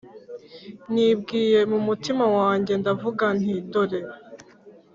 Nibwiye mu mutima wanjye ndavuga nti Dore